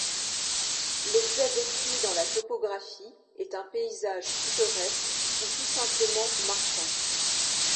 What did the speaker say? L'objet décrit dans la topographie est un paysage pittoresque ou tout simplement marquant.